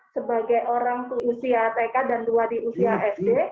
sebagai orang usia tk dan dua di usia sd